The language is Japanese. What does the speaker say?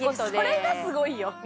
「それがすごいよ！」